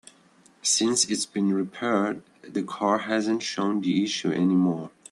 Since it's been repaired, the car hasn't shown the issue any more.